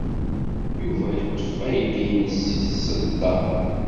Yuba yeḍḍef aydi-nnes seg tseḍḍa.